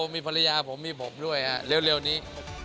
มีภรรยาผมมีผมด้วยเร็วนี้